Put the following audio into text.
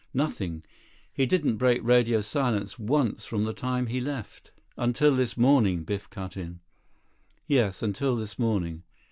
Nothing. He didn't break radio silence once from the time he left." "Until this morning," Biff cut in. "Yes. Until this morning.